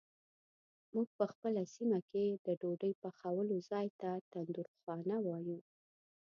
مونږ په خپله سیمه کې د ډوډۍ پخولو ځای ته تندورخانه وایو.